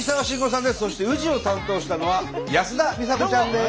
そして宇治を担当したのは安田美沙子ちゃんです。